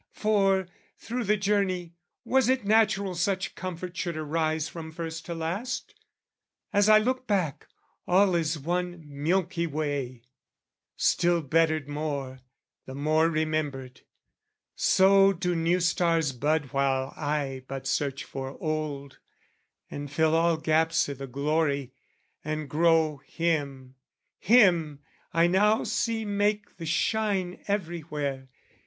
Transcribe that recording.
For, through the journey, was it natural Such comfort should arise from first to last? As I look back, all is one milky way; Still bettered more, the more remembered, so Do new stars bud while I but search for old, And fill all gaps i' the glory, and grow him Him I now see make the shine everywhere.